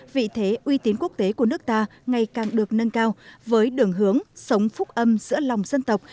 vị thế uy tín quốc tế của nước ta ngày càng được nâng cao với đường hướng sống phúc âm giữa lòng dân tộc